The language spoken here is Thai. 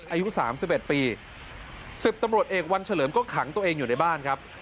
อายุสามสิบเอ็ดปี๑๐ตำรวจเอกวันเฉลิมก็ขังตัวเองอยู่ในบ้านครับ